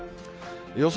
予想